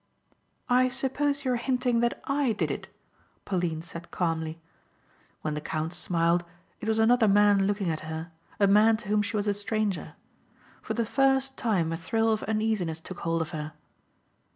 "I suppose you are hinting that I did it?" Pauline said calmly. When the count smiled, it was another man looking at her, a man to whom she was a stranger. For the first time a thrill of uneasiness took hold of her.